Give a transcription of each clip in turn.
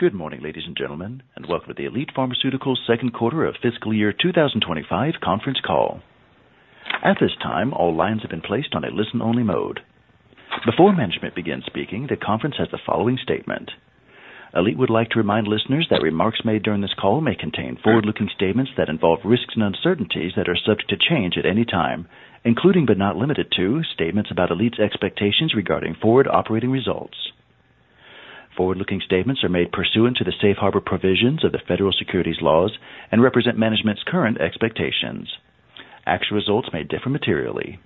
Good morning, ladies and gentlemen, and welcome to the Elite Pharmaceuticals' second quarter of fiscal year 2025 conference call. At this time, all lines have been placed on a listen-only mode. Before management begins speaking, the conference has the following statement. Elite would like to remind listeners that remarks made during this call may contain forward-looking statements that involve risks and uncertainties that are subject to change at any time, including but not limited to statements about Elite's expectations regarding forward operating results. Forward-looking statements are made pursuant to the safe harbor provisions of the federal securities laws and represent management's current expectations. Actual results may differ materially.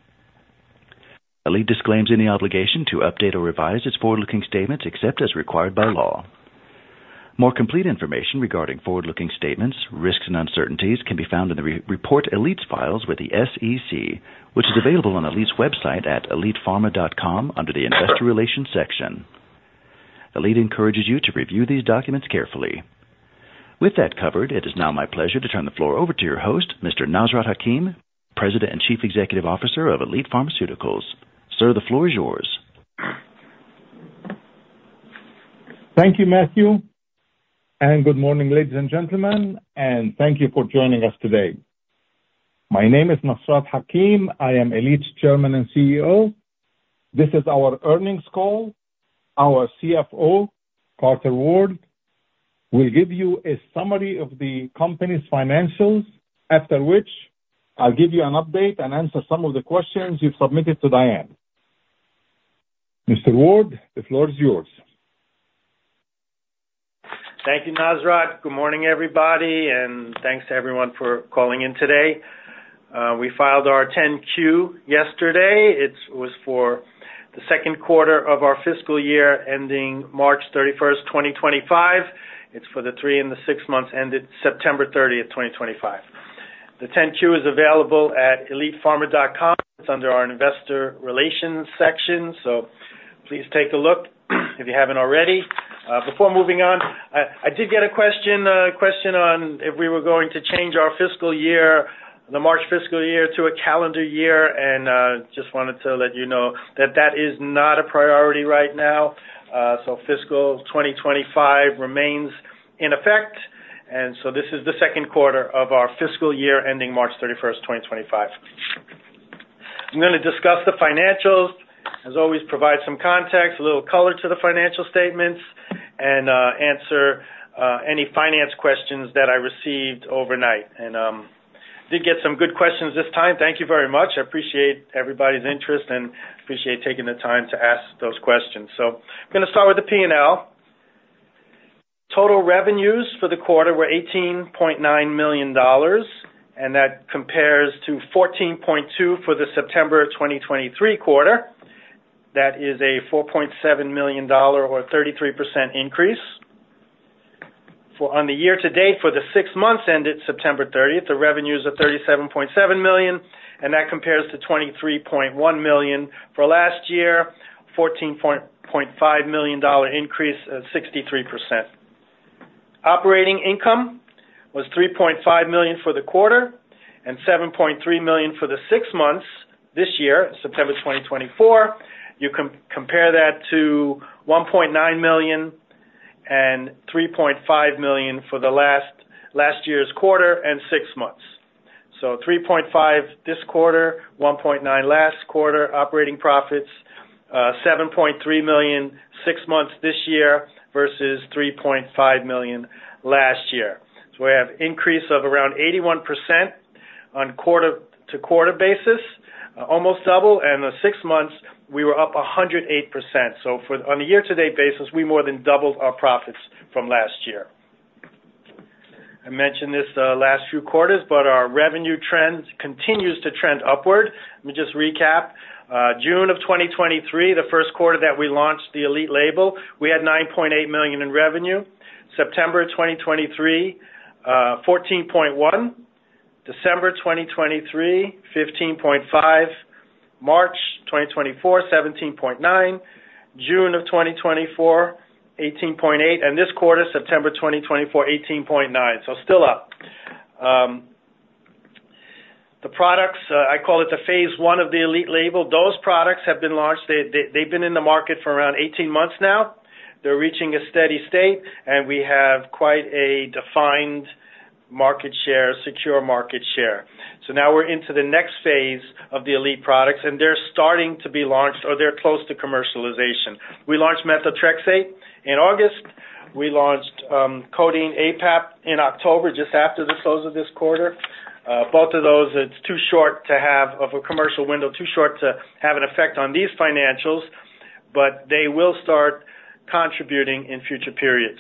Elite disclaims any obligation to update or revise its forward-looking statements except as required by law. More complete information regarding forward-looking statements, risks, and uncertainties can be found in the reports Elite files with the SEC, which is available on Elite's website at elitepharma.com under the investor relations section. Elite encourages you to review these documents carefully. With that covered, it is now my pleasure to turn the floor over to your host, Mr. Nasrat Hakim, President and Chief Executive Officer of Elite Pharmaceuticals. Sir, the floor is yours. Thank you, Matthew, and good morning, ladies and gentlemen, and thank you for joining us today. My name is Nasrat Hakim. I am Elite's Chairman and CEO. This is our earnings call. Our CFO, Carter Ward, will give you a summary of the company's financials, after which I'll give you an update and answer some of the questions you've submitted to Diane. Mr. Ward, the floor is yours. Thank you, Nasrat. Good morning, everybody, and thanks to everyone for calling in today. We filed our 10-Q yesterday. It was for the second quarter of our fiscal year ending March 31st, 2025. It's for the three and the six months ended September 30th, 2025. The 10-Q is available at elitepharma.com. It's under our investor relations section, so please take a look if you haven't already. Before moving on, I did get a question on if we were going to change our fiscal year, the March fiscal year, to a calendar year, and just wanted to let you know that that is not a priority right now. So fiscal 2025 remains in effect, and so this is the second quarter of our fiscal year ending March 31st, 2025. I'm going to discuss the financials, as always, provide some context, a little color to the financial statements, and answer any finance questions that I received overnight. And I did get some good questions this time. Thank you very much. I appreciate everybody's interest and appreciate taking the time to ask those questions. So I'm going to start with the P&L. Total revenues for the quarter were $18.9 million, and that compares to $14.2 million for the September 2023 quarter. That is a $4.7 million or a 33% increase. On the year to date for the six months ended September 30th, the revenues are $37.7 million, and that compares to $23.1 million for last year, a $14.5 million increase of 63%. Operating income was $3.5 million for the quarter and $7.3 million for the six months this year, September 2024. You can compare that to $1.9 million and $3.5 million for last year's quarter and six months. So $3.5 million this quarter, $1.9 million last quarter. Operating profits, $7.3 million six months this year versus $3.5 million last year. So we have an increase of around 81% on quarter-to-quarter basis, almost double, and the six months we were up 108%. So on a year-to-date basis, we more than doubled our profits from last year. I mentioned this last few quarters, but our revenue trend continues to trend upward. Let me just recap. June of 2023, the first quarter that we launched the Elite label, we had $9.8 million in revenue. September 2023, $14.1 million. December 2023, $15.5. March 2024, $17.9. June of 2024, $18.8. And this quarter, September 2024, $18.9 million. So still up. The products, I call it the phase one of the Elite label. Those products have been launched. They've been in the market for around 18 months now. They're reaching a steady state, and we have quite a defined market share, secure market share. So now we're into the next phase of the Elite products, and they're starting to be launched or they're close to commercialization. We launched Methotrexate in August. We launched Codeine APAP in October, just after the close of this quarter. Both of those, it's too short to have a commercial window, too short to have an effect on these financials, but they will start contributing in future periods.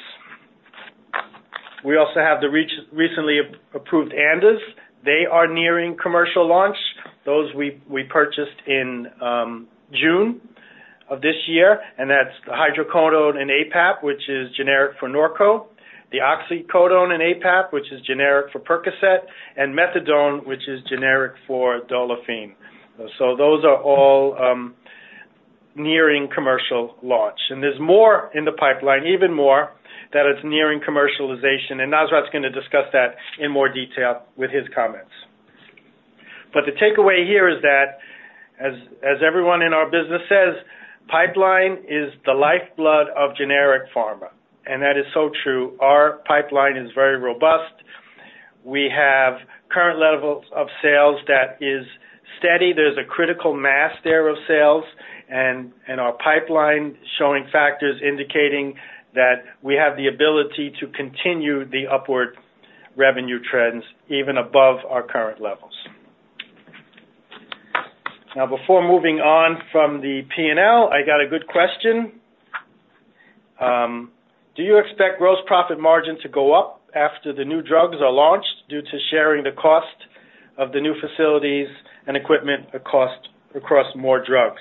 We also have the recently approved ANDAs. They are nearing commercial launch. Those we purchased in June of this year, and that's the Hydrocodone and APAP, which is generic for Norco. The Oxycodone and APAP, which is generic for Percocet, and Methadone, which is generic for Dolophine. So those are all nearing commercial launch. And there's more in the pipeline, even more, that it's nearing commercialization. And Nasrat's going to discuss that in more detail with his comments. But the takeaway here is that, as everyone in our business says, pipeline is the lifeblood of generic pharma, and that is so true. Our pipeline is very robust. We have current levels of sales that are steady. There's a critical mass there of sales, and our pipeline is showing factors indicating that we have the ability to continue the upward revenue trends even above our current levels. Now, before moving on from the P&L, I got a good question. Do you expect gross profit margin to go up after the new drugs are launched due to sharing the cost of the new facilities and equipment cost across more drugs?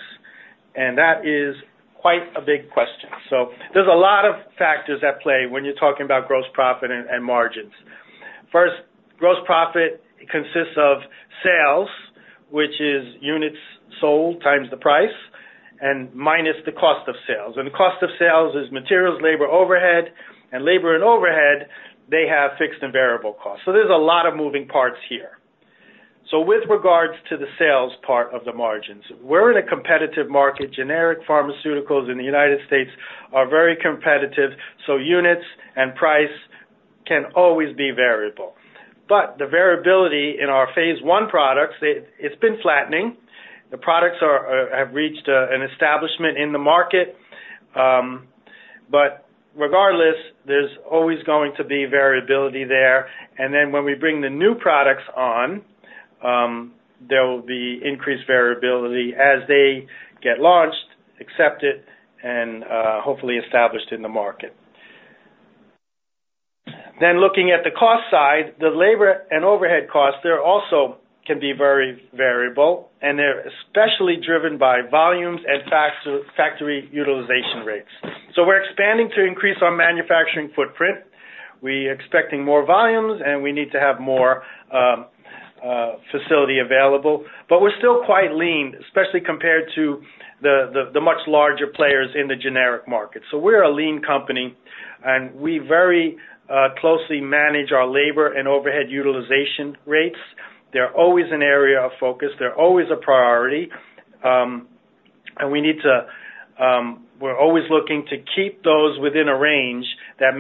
And that is quite a big question. So there's a lot of factors at play when you're talking about gross profit and margins. First, gross profit consists of sales, which is units sold times the price and minus the cost of sales. And the cost of sales is materials, labor overhead, and labor and overhead, they have fixed and variable costs. So there's a lot of moving parts here. So with regards to the sales part of the margins, we're in a competitive market. Generic pharmaceuticals in the United States are very competitive, so units and price can always be variable. But the variability in our phase one products, it's been flattening. The products have reached an establishment in the market. But regardless, there's always going to be variability there. And then when we bring the new products on, there will be increased variability as they get launched, accepted, and hopefully established in the market. Then looking at the cost side, the labor and overhead costs, they also can be very variable, and they're especially driven by volumes and factory utilization rates. So we're expanding to increase our manufacturing footprint. We are expecting more volumes, and we need to have more facility available. But we're still quite lean, especially compared to the much larger players in the generic market. So we're a lean company, and we very closely manage our labor and overhead utilization rates. They're always an area of focus. They're always a priority. And we need to, we're always looking to keep those within a range that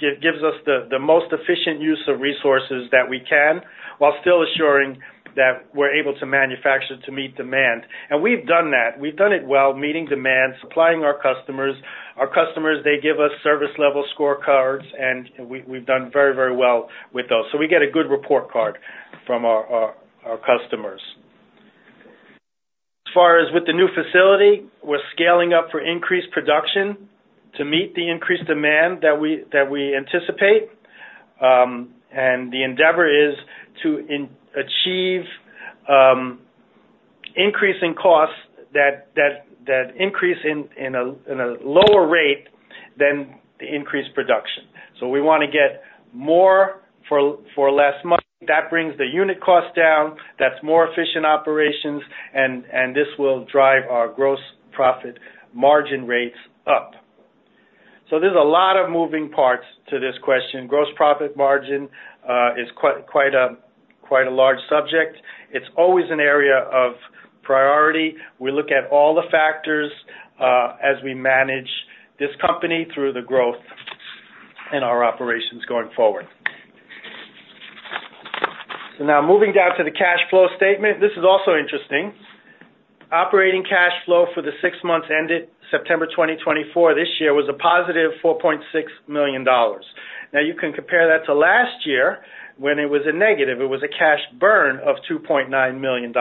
gives us the most efficient use of resources that we can while still assuring that we're able to manufacture to meet demand. And we've done that. We've done it well, meeting demands, supplying our customers. Our customers, they give us service-level scorecards, and we've done very, very well with those, so we get a good report card from our customers. As far as with the new facility, we're scaling up for increased production to meet the increased demand that we anticipate, and the endeavor is to achieve increasing costs that increase at a lower rate than the increased production, so we want to get more for less money. That brings the unit cost down. That's more efficient operations, and this will drive our gross profit margin rates up, so there's a lot of moving parts to this question. Gross profit margin is quite a large subject. It's always an area of priority. We look at all the factors as we manage this company through the growth in our operations going forward, so now moving down to the cash flow statement, this is also interesting. Operating cash flow for the six months ended September 2024 this year was a positive $4.6 million. Now, you can compare that to last year when it was a negative. It was a cash burn of $2.9 million.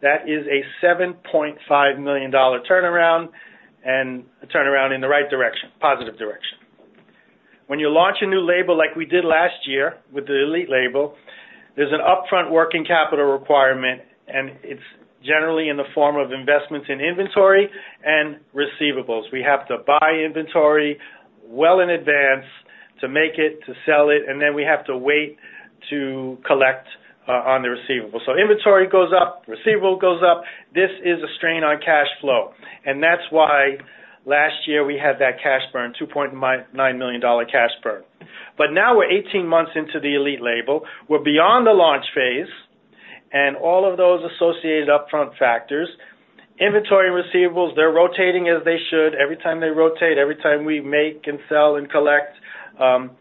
That is a $7.5 million turnaround and a turnaround in the right direction, positive direction. When you launch a new label like we did last year with the Elite label, there's an upfront working capital requirement, and it's generally in the form of investments in inventory and receivables. We have to buy inventory well in advance to make it, to sell it, and then we have to wait to collect on the receivable. So inventory goes up, receivable goes up. This is a strain on cash flow, and that's why last year we had that cash burn, $2.9 million cash burn, but now we're 18 months into the Elite label. We're beyond the launch phase and all of those associated upfront factors. Inventory and receivables, they're rotating as they should. Every time they rotate, every time we make and sell and collect,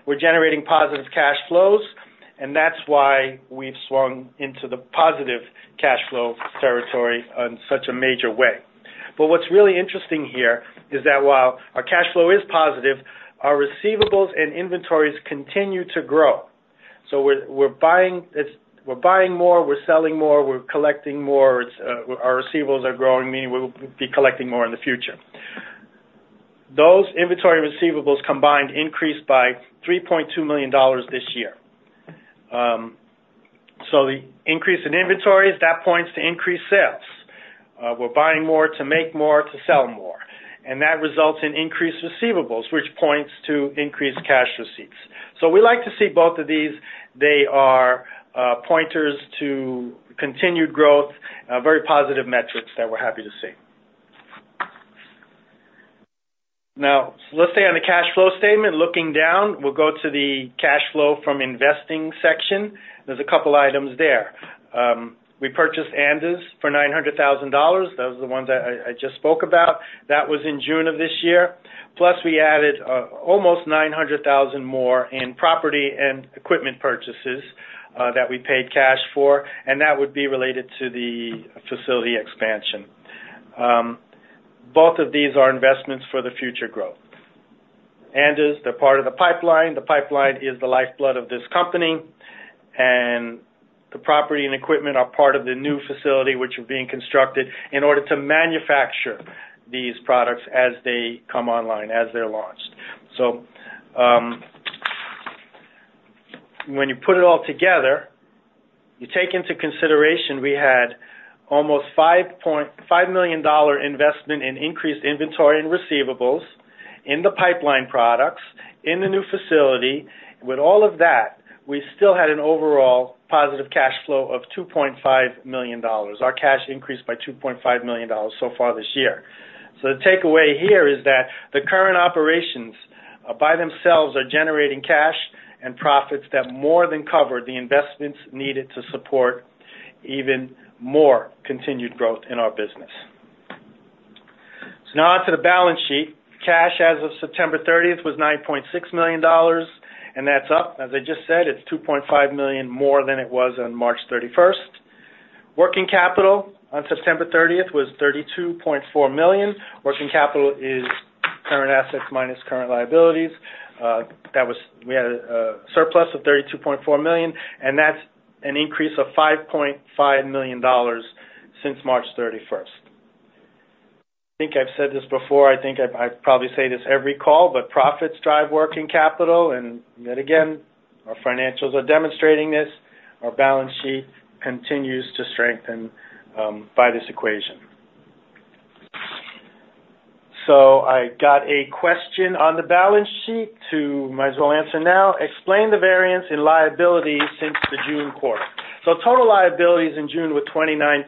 we're generating positive cash flows. And that's why we've swung into the positive cash flow territory in such a major way. But what's really interesting here is that while our cash flow is positive, our receivables and inventories continue to grow. So we're buying more, we're selling more, we're collecting more. Our receivables are growing, meaning we'll be collecting more in the future. Those inventory and receivables combined increased by $3.2 million this year. So the increase in inventories, that points to increased sales. We're buying more to make more to sell more. And that results in increased receivables, which points to increased cash receipts. So we like to see both of these. They are pointers to continued growth, very positive metrics that we're happy to see. Now, let's say on the cash flow statement, looking down, we'll go to the cash flow from investing section. There's a couple of items there. We purchased ANDAs for $900,000. Those are the ones I just spoke about. That was in June of this year. Plus, we added almost $900,000 more in property and equipment purchases that we paid cash for, and that would be related to the facility expansion. Both of these are investments for the future growth. ANDAs, they're part of the pipeline. The pipeline is the lifeblood of this company, and the property and equipment are part of the new facility, which are being constructed in order to manufacture these products as they come online, as they're launched. So when you put it all together, you take into consideration we had almost $5 million investment in increased inventory and receivables in the pipeline products in the new facility. With all of that, we still had an overall positive cash flow of $2.5 million. Our cash increased by $2.5 million so far this year. So the takeaway here is that the current operations by themselves are generating cash and profits that more than cover the investments needed to support even more continued growth in our business. So now on to the balance sheet. Cash as of September 30th was $9.6 million, and that's up. As I just said, it's $2.5 million more than it was on March 31st. Working capital on September 30th was $32.4 million. Working capital is current assets minus current liabilities. We had a surplus of $32.4 million, and that's an increase of $5.5 million since March 31st. I think I've said this before. I think I probably say this every call, but profits drive working capital. And yet again, our financials are demonstrating this. Our balance sheet continues to strengthen by this equation. So I got a question on the balance sheet too. Might as well answer now. Explain the variance in liabilities since the June quarter. So total liabilities in June were $29.6,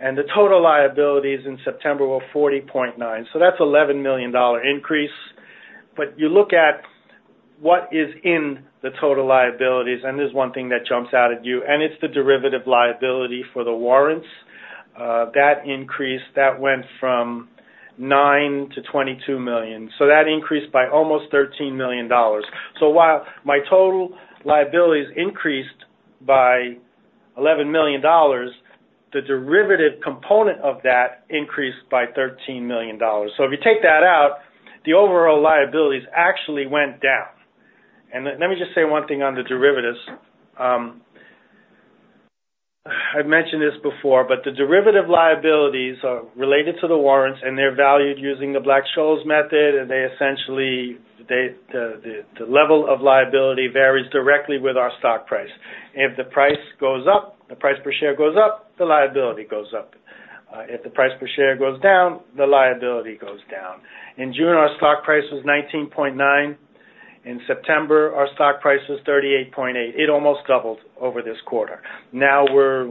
and the total liabilities in September were $40.9. So that's a $11 million increase. But you look at what is in the total liabilities, and there's one thing that jumps out at you, and it's the derivative liability for the warrants. That increase, that went from $9 million to $22 million. So that increased by almost $13 million. So while my total liabilities increased by $11 million, the derivative component of that increased by $13 million. So if you take that out, the overall liabilities actually went down. And let me just say one thing on the derivatives. I've mentioned this before, but the derivative liabilities are related to the warrants, and they're valued using the Black-Scholes method, and they essentially, the level of liability varies directly with our stock price. If the price goes up, the price per share goes up, the liability goes up. If the price per share goes down, the liability goes down. In June, our stock price was $19.9. In September, our stock price was $38.8. It almost doubled over this quarter. Now we're,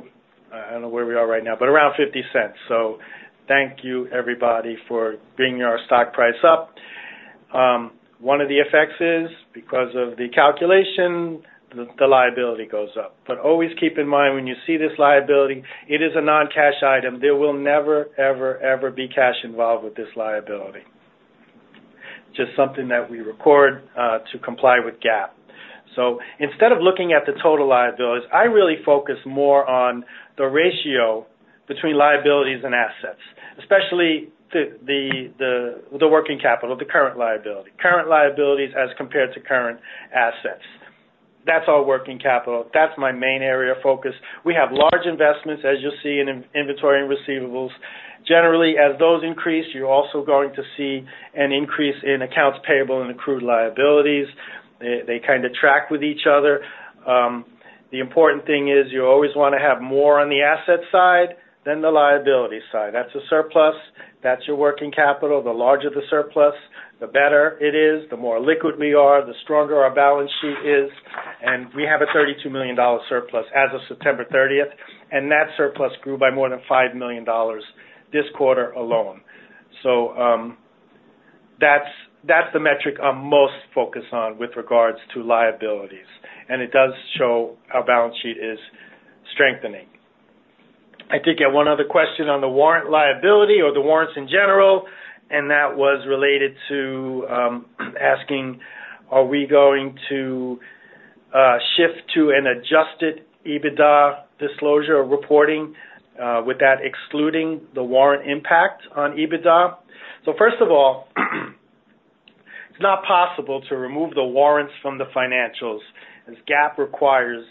I don't know where we are right now, but around $0.50. So thank you, everybody, for bringing our stock price up. One of the effects is, because of the calculation, the liability goes up, but always keep in mind when you see this liability, it is a non-cash item. There will never, ever, ever be cash involved with this liability. Just something that we record to comply with GAAP, so instead of looking at the total liabilities, I really focus more on the ratio between liabilities and assets, especially the working capital, the current liability. Current liabilities as compared to current assets. That's all working capital. That's my main area of focus. We have large investments, as you'll see in inventory and receivables. Generally, as those increase, you're also going to see an increase in accounts payable and accrued liabilities. They kind of track with each other. The important thing is you always want to have more on the asset side than the liability side. That's a surplus. That's your working capital. The larger the surplus, the better it is, the more liquid we are, the stronger our balance sheet is. And we have a $32 million surplus as of September 30th, and that surplus grew by more than $5 million this quarter alone. So that's the metric I'm most focused on with regards to liabilities. And it does show our balance sheet is strengthening. I did get one other question on the warrant liability or the warrants in general, and that was related to asking, are we going to shift to an adjusted EBITDA disclosure or reporting with that excluding the warrant impact on EBITDA? So first of all, it's not possible to remove the warrants from the financials as GAAP requires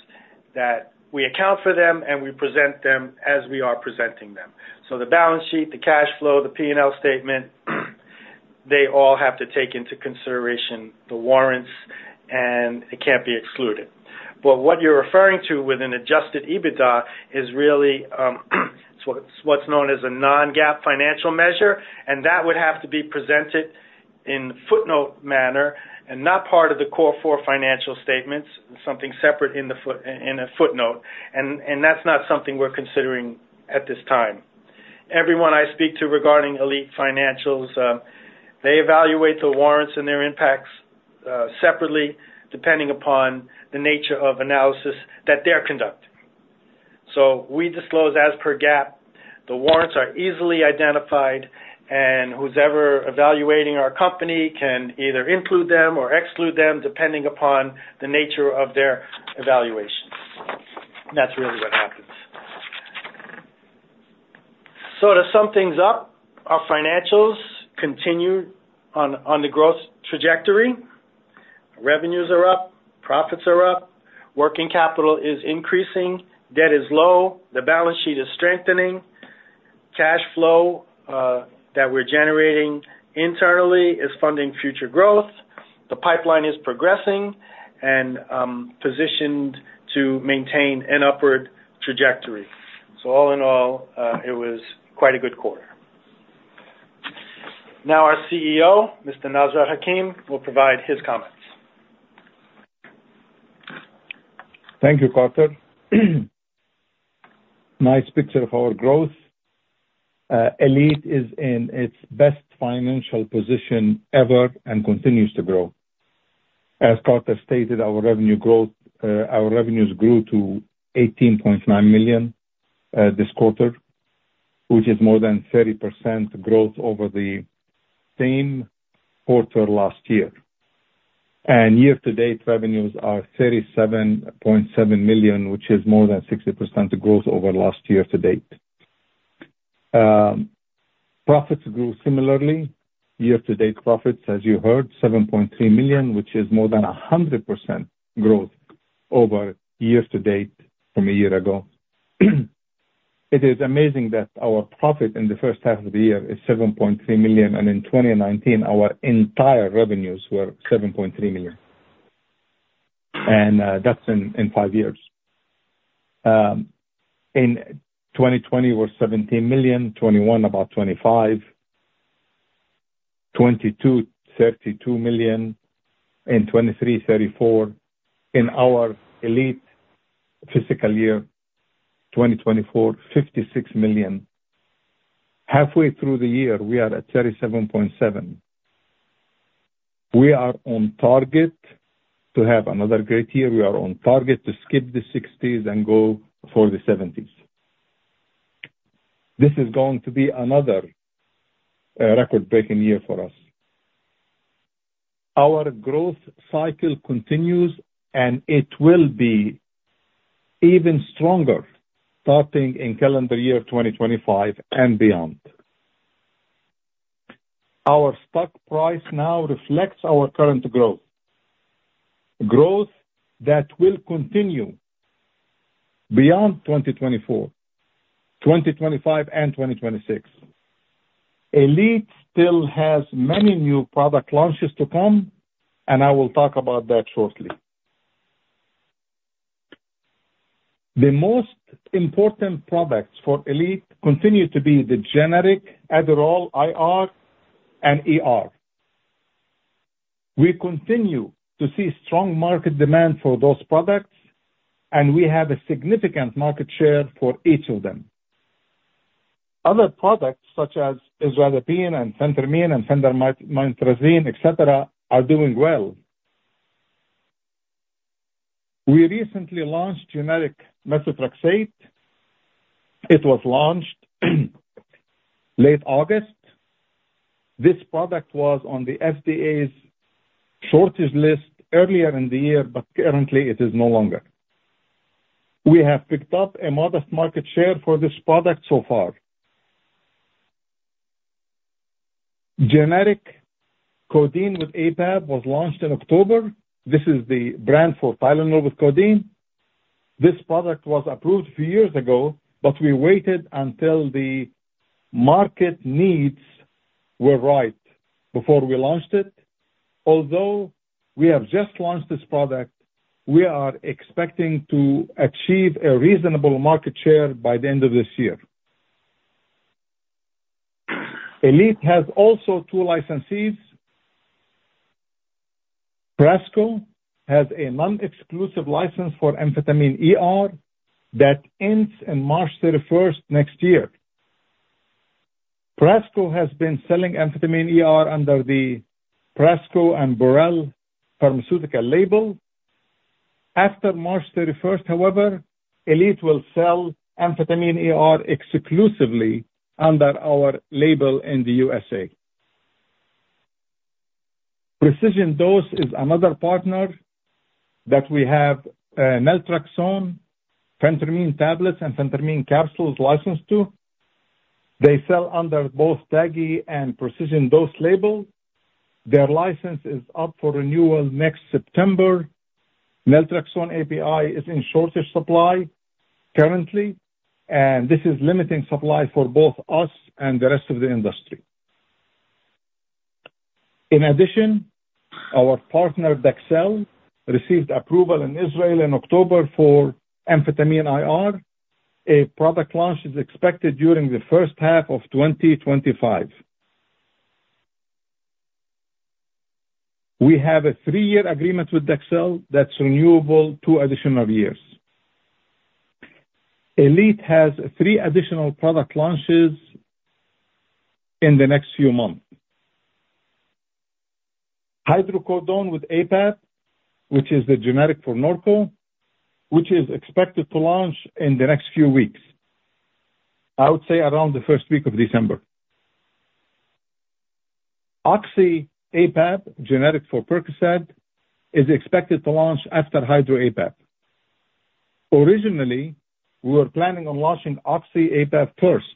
that we account for them and we present them as we are presenting them. So the balance sheet, the cash flow, the P&L statement, they all have to take into consideration the warrants, and it can't be excluded. But what you're referring to with an adjusted EBITDA is really what's known as a non-GAAP financial measure, and that would have to be presented in footnote manner and not part of the core four financial statements, something separate in the footnote. And that's not something we're considering at this time. Everyone I speak to regarding Elite's financials, they evaluate the warrants and their impacts separately depending upon the nature of analysis that they're conducting. So we disclose as per GAAP. The warrants are easily identified, and whoever evaluating our company can either include them or exclude them depending upon the nature of their evaluation. That's really what happens. So to sum things up, our financials continue on the growth trajectory. Revenues are up, profits are up, working capital is increasing, debt is low, the balance sheet is strengthening, cash flow that we're generating internally is funding future growth, the pipeline is progressing and positioned to maintain an upward trajectory. So all in all, it was quite a good quarter. Now our CEO, Mr. Nasrat Hakim, will provide his comments. Thank you, Carter. Nice picture of our growth. Elite is in its best financial position ever and continues to grow. As Carter stated, our revenues grew to $18.9 million this quarter, which is more than 30% growth over the same quarter last year. And year-to-date revenues are $37.7 million, which is more than 60% growth over last year-to-date. Profits grew similarly. Year-to-date profits, as you heard, $7.3 million, which is more than 100% growth over year-to-date from a year ago. It is amazing that our profit in the first half of the year is $7.3 million, and in 2019, our entire revenues were $7.3 million, and that's in five years. In 2020, we're $17 million, 2021 about $25, 2022, $32 million, and 2023, $34. In our Elite fiscal year 2024, $56 million. Halfway through the year, we are at $37.7. We are on target to have another great year. We are on target to skip the 60s and go for the 70s. This is going to be another record-breaking year for us. Our growth cycle continues, and it will be even stronger starting in calendar year 2025 and beyond. Our stock price now reflects our current growth. Growth that will continue beyond 2024, 2025, and 2026. Elite still has many new product launches to come, and I will talk about that shortly. The most important products for Elite continue to be the generic Adderall IR, and we continue to see strong market demand for those products, and we have a significant market share for each of them. Other products such as Isradipine and Phentermine and Phendimetrazine, etc., are doing well. We recently launched generic Methotrexate. It was launched late August. This product was on the FDA's shortage list earlier in the year, but currently it is no longer. We have picked up a modest market share for this product so far. Generic Codeine with APAP was launched in October. This is the brand for Tylenol with Codeine. This product was approved a few years ago, but we waited until the market needs were right before we launched it. Although we have just launched this product, we are expecting to achieve a reasonable market share by the end of this year. Elite has also two licensees. Prasco has a non-exclusive license for amphetamine that ends on March 31st next year. Prasco has been selling amphetamine under the Prasco and Burel Pharmaceutical label. After March 31st, however, Elite will sell amphetamine exclusively under our label in the USA. Precision Dose is another partner that we have Naltrexone, Phentermine tablets, and Phentermine capsules licensed to. They sell under both TAGI and Precision Dose label. Their license is up for renewal next September. Naltrexone API is in shortage supply currently, and this is limiting supply for both us and the rest of the industry. In addition, our partner Dexcel received approval in Israel in October for amphetamine IR. A product launch is expected during the first half of 2025. We have a three-year agreement with Dexcel that's renewable two additional years. Elite has three additional product launches in the next few months. Hydrocodone with APAP, which is the generic for Norco, which is expected to launch in the next few weeks. I would say around the first week of December. Oxy APAP, generic for Percocet, is expected to launch after Hydro APAP. Originally, we were planning on launching Oxy APAP first,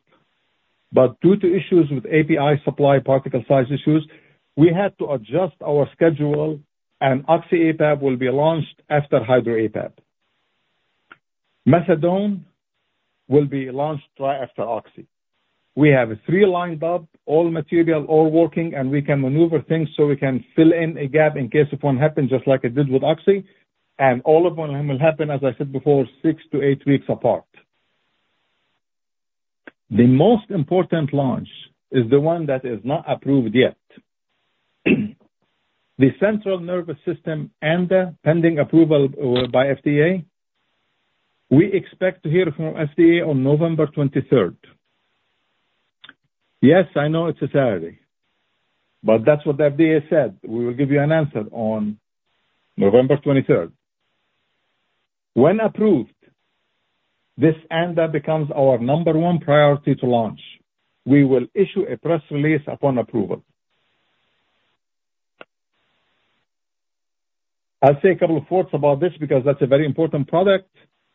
but due to issues with API supply particle size issues, we had to adjust our schedule, and Oxy APAP will be launched after Hydro APAP. Methadone will be launched right after Oxy. We have a three-line setup, all material is working, and we can maneuver things so we can fill in a gap in case one happens, just like it did with Oxy, and all of them will happen, as I said before, six to eight weeks apart. The most important launch is the one that is not approved yet. The Central Nervous System ANDA the pending approval by FDA. We expect to hear from FDA on November 23rd. Yes, I know it's a Saturday, but that's what the FDA said. We will give you an answer on November 23rd. When approved, this ANDA becomes our number one priority to launch. We will issue a press release upon approval. I'll say a couple of words about this because that's a very important product.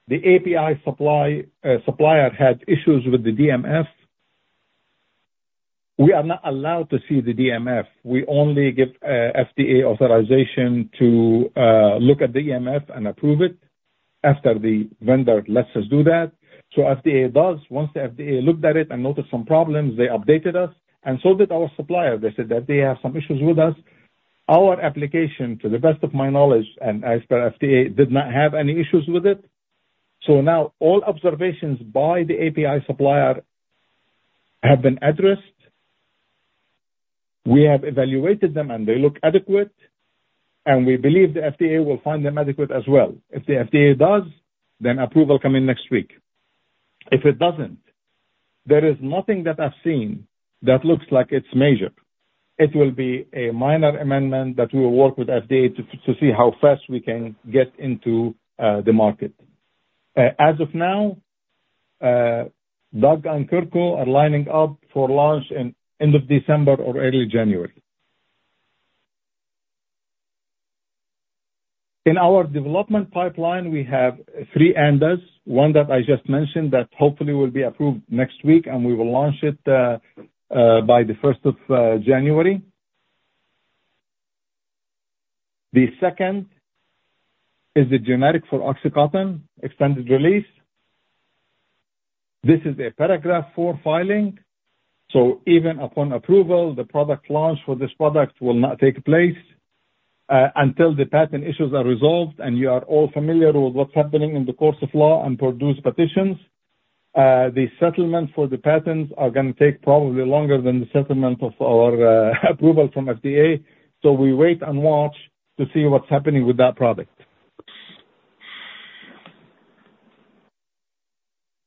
The API supplier had issues with the DMF. We are not allowed to see the DMF. We only give FDA authorization to look at the DMF and approve it after the vendor lets us do that. So FDA does. Once the FDA looked at it and noticed some problems, they updated us and so did our supplier. They said that they have some issues with us. Our application, to the best of my knowledge, and as per FDA, did not have any issues with it. So now all observations by the API supplier have been addressed. We have evaluated them, and they look adequate, and we believe the FDA will find them adequate as well. If the FDA does, then approval coming next week. If it doesn't, there is nothing that I've seen that looks like it's major. It will be a minor amendment that we will work with FDA to see how fast we can get into the market. As of now, Doug and Kirko are lining up for launch in the end of December or early January. In our development pipeline, we have three ANDAs, one that I just mentioned that hopefully will be approved next week, and we will launch it by the 1st of January. The second is the generic for OxyContin, extended release. This is a paragraph four filing. So even upon approval, the product launch for this product will not take place until the patent issues are resolved, and you are all familiar with what's happening in the course of law and Purdue's petitions. The settlement for the patents are going to take probably longer than the settlement of our approval from FDA. So we wait and watch to see what's happening with that product.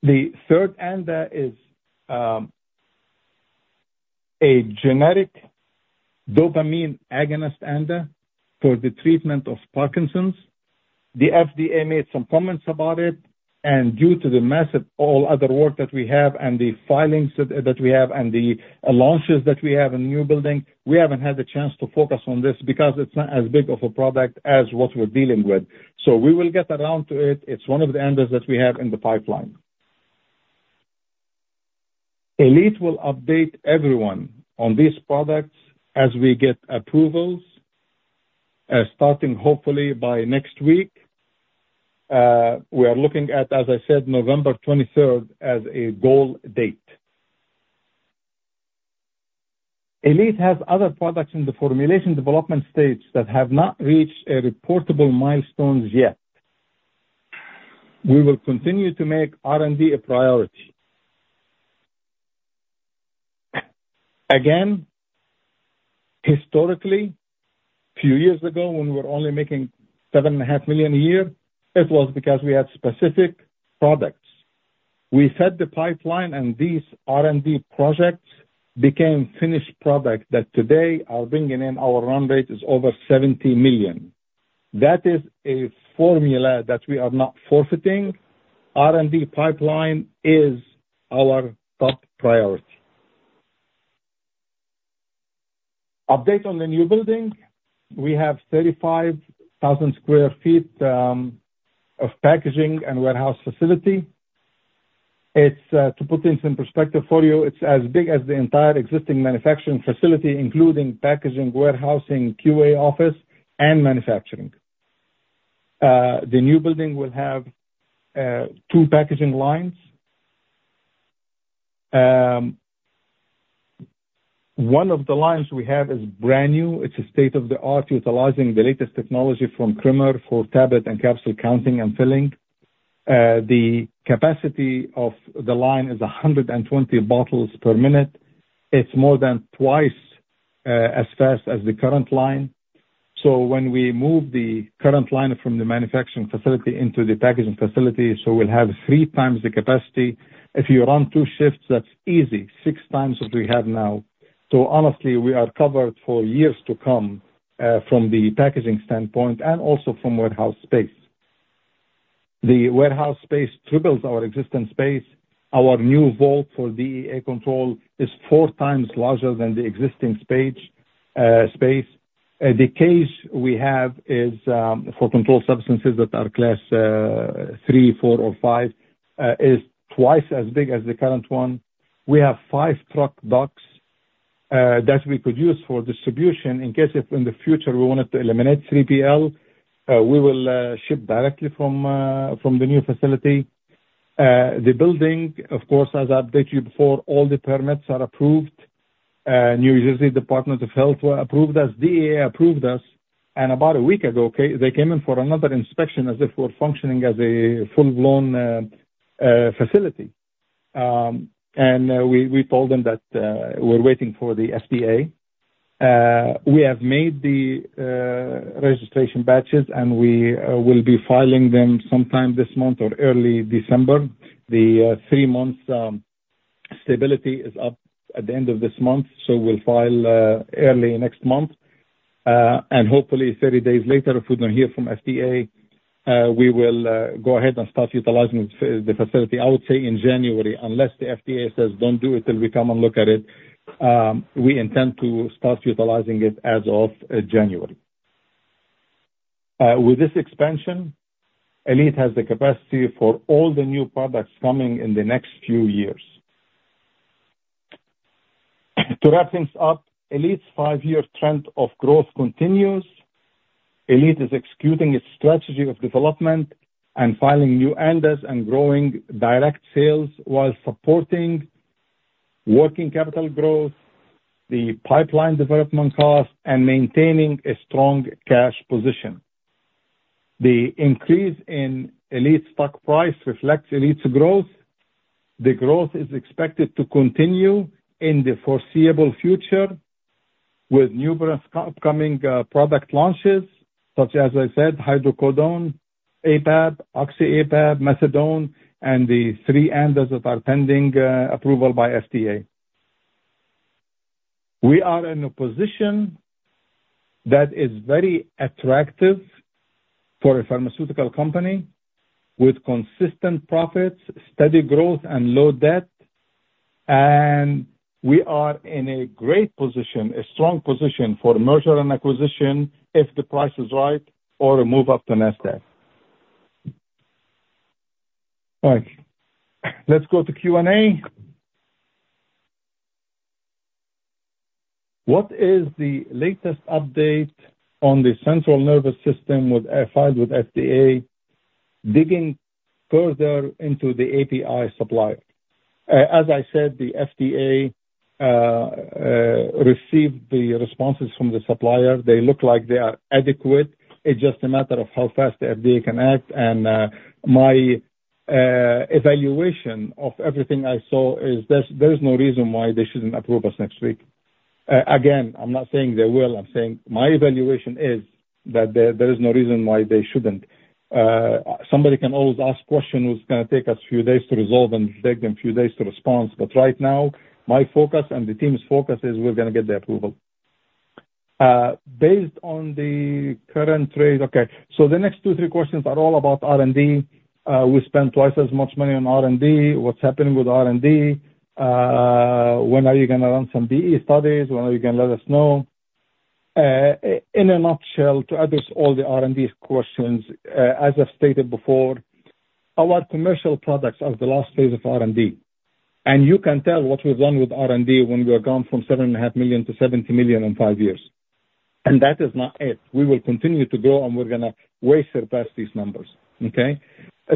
The third ANDA is a generic dopamine agonist ANDA for the treatment of Parkinson's. The FDA made some comments about it, and due to the massive all other work that we have and the filings that we have and the launches that we have in the new building, we haven't had the chance to focus on this because it's not as big of a product as what we're dealing with. So we will get around to it. It's one of the ANDAs that we have in the pipeline. Elite will update everyone on these products as we get approvals, starting hopefully by next week. We are looking at, as I said, November 23rd as a goal date. Elite has other products in the formulation development stage that have not reached a reportable milestone yet. We will continue to make R&D a priority. Again, historically, a few years ago, when we were only making $7.5 million a year, it was because we had specific products. We set the pipeline, and these R&D projects became finished products that today are bringing in our run rate is over $70 million. That is a formula that we are not forfeiting. R&D pipeline is our top priority. Update on the new building. We have 35,000 sq ft of packaging and warehouse facility. To put things in perspective for you, it's as big as the entire existing manufacturing facility, including packaging, warehousing, QA office, and manufacturing. The new building will have two packaging lines. One of the lines we have is brand new. It's a state-of-the-art utilizing the latest technology from Cremer for tablet and capsule counting and filling. The capacity of the line is 120 bottles per minute. It's more than twice as fast as the current line. So when we move the current line from the manufacturing facility into the packaging facility, we'll have three times the capacity. If you run two shifts, that's easy, six times what we have now. So honestly, we are covered for years to come from the packaging standpoint and also from warehouse space. The warehouse space triples our existing space. Our new vault for DEA control is four times larger than the existing space. The cage we have for controlled substances that are class three, four, or five is twice as big as the current one. We have five truck docks that we could use for distribution in case if in the future we wanted to eliminate 3PL, we will ship directly from the new facility. The building, of course, as I updated you before, all the permits are approved. New Jersey Department of Health approved us, DEA approved us, and about a week ago, they came in for another inspection as if we're functioning as a full-blown facility, and we told them that we're waiting for the FDA. We have made the registration batches, and we will be filing them sometime this month or early December. The three-month stability is up at the end of this month, so we'll file early next month. And hopefully, 30 days later, if we don't hear from FDA, we will go ahead and start utilizing the facility, I would say, in January. Unless the FDA says, "Don't do it till we come and look at it," we intend to start utilizing it as of January. With this expansion, Elite has the capacity for all the new products coming in the next few years. To wrap things up, Elite's five-year trend of growth continues. Elite is executing its strategy of development and filing new ANDAs and growing direct sales while supporting working capital growth, the pipeline development cost, and maintaining a strong cash position. The increase in Elite stock price reflects Elite's growth. The growth is expected to continue in the foreseeable future with numerous upcoming product launches, such as I said, hydrocodone/APAP, Oxy/APAP, methadone, and the three ANDAs that are pending approval by FDA. We are in a position that is very attractive for a pharmaceutical company with consistent profits, steady growth, and low debt, and we are in a great position, a strong position for merger and acquisition if the price is right or a move up to Nasdaq. All right. Let's go to Q&A. What is the latest update on the central nervous system filed with FDA, digging further into the API supplier? As I said, the FDA received the responses from the supplier. They look like they are adequate. It's just a matter of how fast the FDA can act. And my evaluation of everything I saw is there's no reason why they shouldn't approve us next week. Again, I'm not saying they will. I'm saying my evaluation is that there is no reason why they shouldn't. Somebody can always ask questions who's going to take us a few days to resolve and take them a few days to respond, but right now, my focus and the team's focus is we're going to get the approval based on the current trade, okay, so the next two, three questions are all about R&D. We spend twice as much money on R&D. What's happening with R&D? When are you going to run some BE studies? When are you going to let us know? In a nutshell, to address all the R&D questions, as I've stated before, our commercial products are the last phase of R&D, and you can tell what we've done with R&D when we have gone from $7.5 million to $70 million in five years, and that is not it. We will continue to grow, and we're going to way surpass these numbers, okay?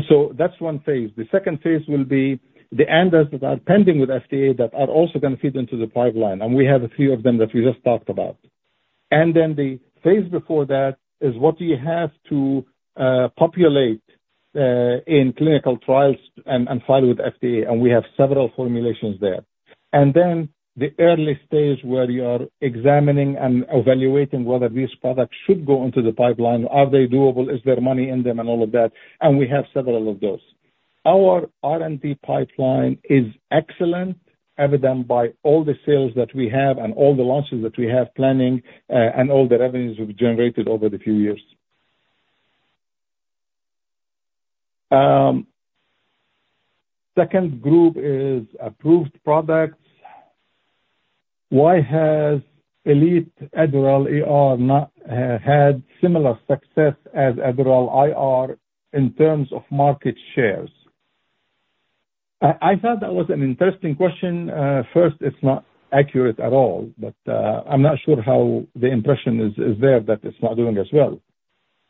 So that's one phase. The second phase will be the ANDAs that are pending with FDA that are also going to feed into the pipeline. And we have a few of them that we just talked about. And then the phase before that is what you have to populate in clinical trials and file with FDA. And we have several formulations there. And then the early stage where you are examining and evaluating whether these products should go into the pipeline, are they doable, is there money in them, and all of that. And we have several of those. Our R&D pipeline is excellent, evident by all the sales that we have and all the launches that we have planning and all the revenues we've generated over the few years. Second group is approved products. Why has Elite Adderall not had similar success as Adderall IR in terms of market shares? I thought that was an interesting question. First, it's not accurate at all, but I'm not sure how the impression is there that it's not doing as well.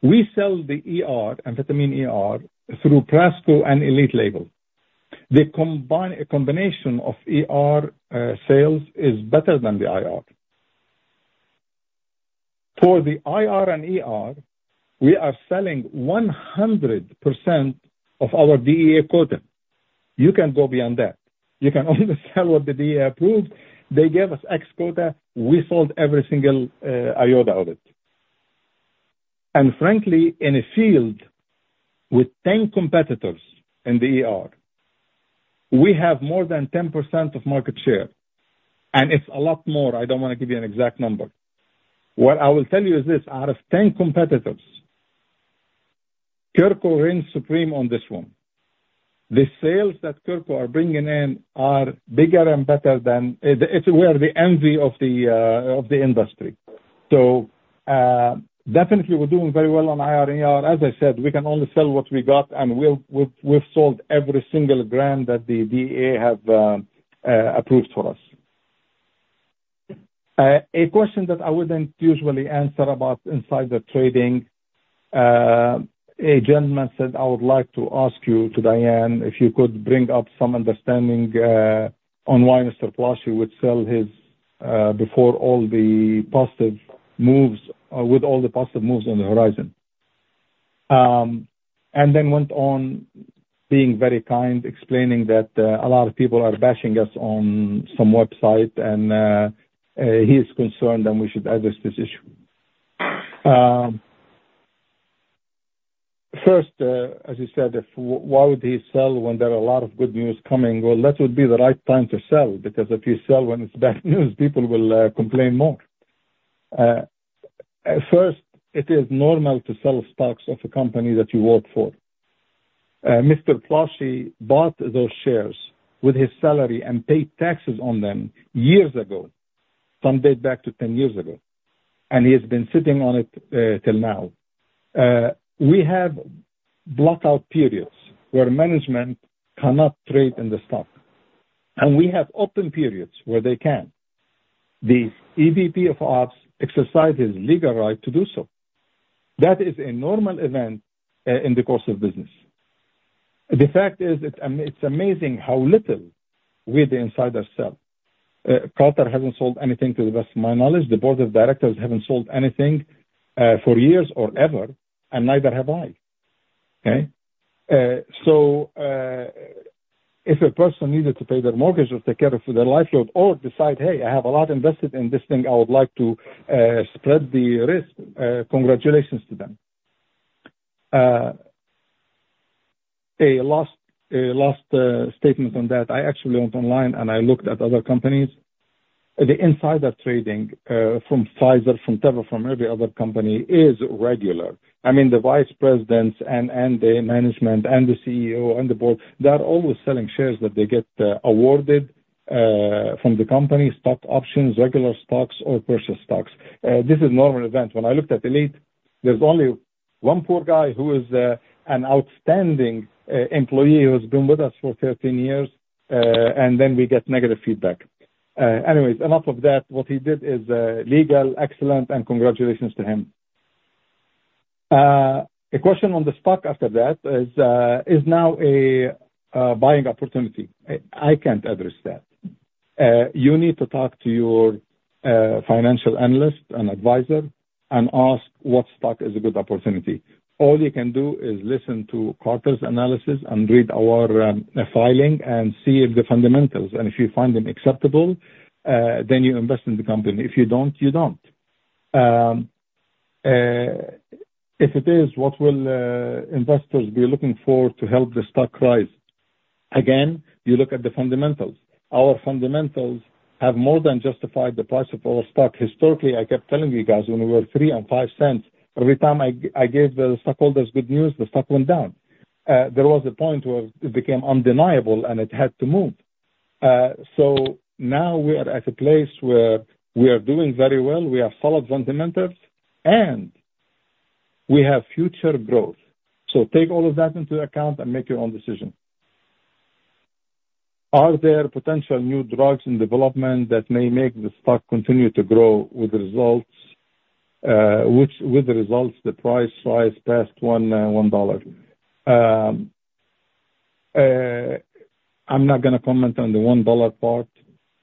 We sell the amphetamine through Prasco and Elite label. The combination of sales is better than the IR. For the IR and we are selling 100% of our DEA quota. You can go beyond that. You can only sell what the DEA approved. They gave us a quota. We sold every single iota of it. And frankly, in a field with 10 competitors, we have more than 10% of market share. And it's a lot more. I don't want to give you an exact number. What I will tell you is this. Out of 10 competitors, Kirko reigns supreme on this one. The sales that Kirko is bringing in are bigger and better than it's the envy of the industry. So definitely, we're doing very well on IR and, as I said, we can only sell what we got, and we've sold every single quota that the DEA has approved for us. A question that I wouldn't usually answer about insider trading. A gentleman said, "I would like to ask you today if you could bring up some understanding on why Mr. Plassche would sell his before all the positive moves, with all the positive moves on the horizon." And then went on being very kind, explaining that a lot of people are bashing us on some website, and he is concerned that we should address this issue. First, as you said, why would he sell when there are a lot of good news coming? That would be the right time to sell because if you sell when it's bad news, people will complain more. First, it is normal to sell stocks of a company that you work for. Mr. Plassche bought those shares with his salary and paid taxes on them years ago, some date back to 10 years ago. He has been sitting on it till now. We have blackout periods where management cannot trade in the stock. We have open periods where they can. The EVP of Ops exercises legal right to do so. That is a normal event in the course of business. The fact is, it's amazing how little we the insiders sell. Carter hasn't sold anything to the best of my knowledge. The board of directors hasn't sold anything for years or ever, and neither have I. Okay? So if a person needed to pay their mortgage or take care of their life load or decide, "Hey, I have a lot invested in this thing. I would like to spread the risk," congratulations to them. One last statement on that. I actually went online and I looked at other companies. The insider trading from Pfizer, from Teva, from every other company is regular. I mean, the vice presidents and the management and the CEO and the board, they're always selling shares that they get awarded from the company, stock options, regular stocks, or purchase stocks. This is a normal event. When I looked at Elite, there's only one poor guy who is an outstanding employee who has been with us for 13 years, and then we get negative feedback. Anyways, enough of that. What he did is legal, excellent, and congratulations to him. A question on the stock after that is now a buying opportunity. I can't address that. You need to talk to your financial analyst and advisor and ask what stock is a good opportunity. All you can do is listen to Carter's analysis and read our filing and see if the fundamentals and if you find them acceptable, then you invest in the company. If you don't, you don't. If it is, what will investors be looking for to help the stock rise? Again, you look at the fundamentals. Our fundamentals have more than justified the price of our stock. Historically, I kept telling you guys when we were $0.03 and $0.05, every time I gave the stockholders good news, the stock went down. There was a point where it became undeniable and it had to move. So now we are at a place where we are doing very well. We have solid fundamentals, and we have future growth. So take all of that into account and make your own decision. Are there potential new drugs in development that may make the stock continue to grow with results? With results, the price rises past $1. I'm not going to comment on the $1 part,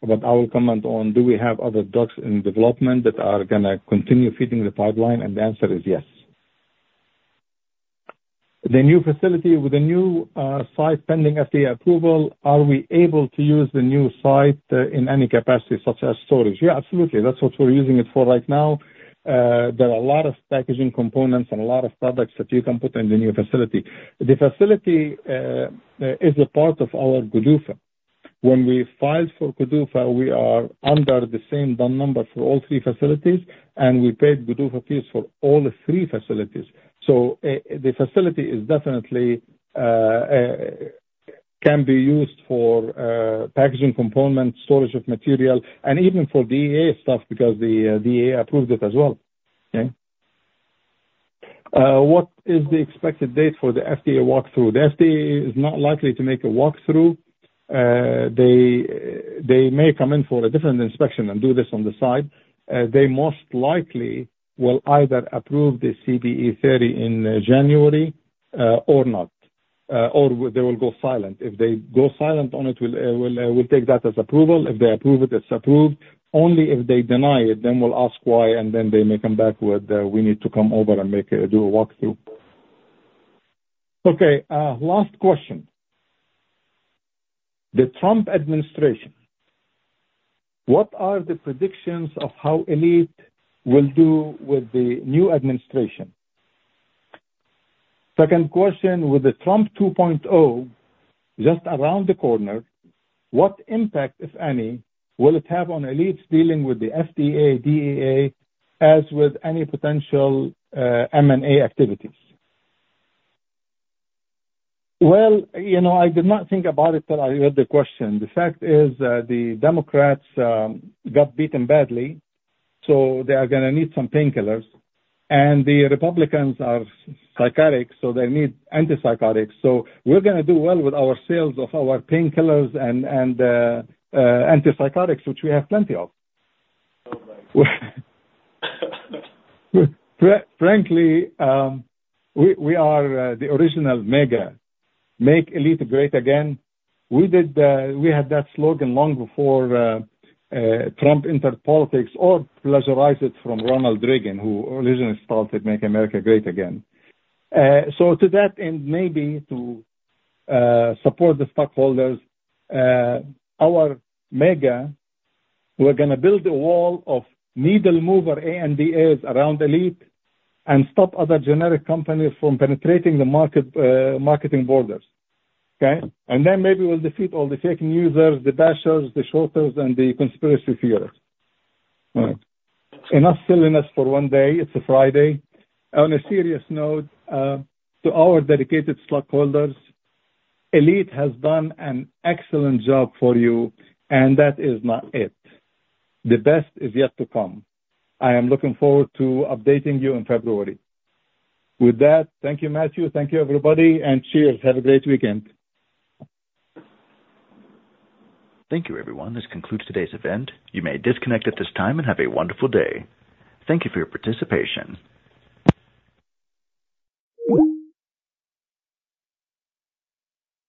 but I will comment on do we have other drugs in development that are going to continue feeding the pipeline, and the answer is yes. The new facility with a new site pending FDA approval, are we able to use the new site in any capacity, such as storage? Yeah, absolutely. That's what we're using it for right now. There are a lot of packaging components and a lot of products that you can put in the new facility. The facility is a part of our GDUFA. When we filed for GDUFA, we are under the same DUNS number for all three facilities, and we paid GDUFA fees for all three facilities. So the facility can be used for packaging components, storage of material, and even for DEA stuff because the DEA approved it as well. Okay? What is the expected date for the FDA walkthrough? The FDA is not likely to make a walkthrough. They may come in for a different inspection and do this on the side. They most likely will either approve the CBE-30 in January or not, or they will go silent. If they go silent on it, we'll take that as approval. If they approve it, it's approved. Only if they deny it, then we'll ask why, and then they may come back with, "We need to come over and do a walkthrough." Okay. Last question. The Trump administration, what are the predictions of how Elite will do with the new administration? Second question, with the Trump 2.0 just around the corner, what impact, if any, will it have on Elite's dealing with the FDA, DEA, as with any potential M&A activities? I did not think about it till I read the question. The fact is the Democrats got beaten badly, so they are going to need some painkillers, and the Republicans are psychotics, so they need antipsychotics. We're going to do well with our sales of our painkillers and antipsychotics, which we have plenty of. Frankly, we are the original mega. Make Elite great again. We had that slogan long before Trump entered politics or plagiarized it from Ronald Reagan, who originally stole it, Make America Great Again. So to that end, maybe to support the stockholders, our MAGA, we're going to build a wall of needle-mover ANDAs around Elite and stop other generic companies from penetrating the marketing borders. Okay? And then maybe we'll defeat all the fake newsers, the bashers, the shorters, and the conspiracy theorists. All right. Enough silliness for one day. It's a Friday. On a serious note, to our dedicated stockholders, Elite has done an excellent job for you, and that is not it. The best is yet to come. I am looking forward to updating you in February. With that, thank you, Matthew. Thank you, everybody, and cheers. Have a great weekend. Thank you, everyone. This concludes today's event. You may disconnect at this time and have a wonderful day. Thank you for your participation.